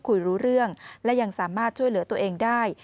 คุยรู้เรื่องและยังสามารถช่วยเหลือตัวเองได้